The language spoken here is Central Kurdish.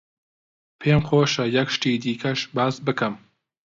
پێم خۆشە یەک شتی دیکەش باس بکەم.